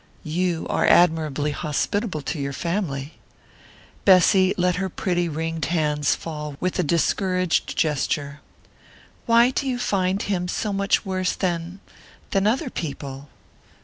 "You are admirably hospitable to your family " Bessy let her pretty ringed hands fall with a discouraged gesture. "Why do you find him so much worse than than other people?"